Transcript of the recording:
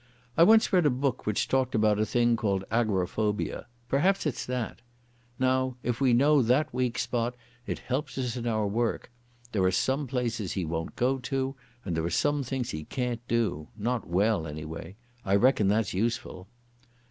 I once read a book which talked about a thing called agoraphobia. Perhaps it's that.... Now if we know that weak spot it helps us in our work. There are some places he won't go to, and there are some things he can't do—not well, anyway. I reckon that's useful."